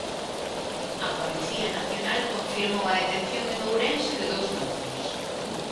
A Policía Nacional confirmou a detención en Ourense de dous mozos.